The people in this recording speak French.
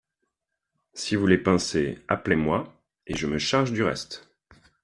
Si vous les pincez, appelez-moi, et je me charge du reste.